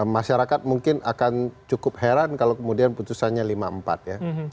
masyarakat mungkin akan cukup heran kalau kemudian putusannya lima empat ya